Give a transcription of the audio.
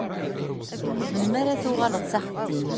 Melmi ara d-tuɣaleḍ s axeddim?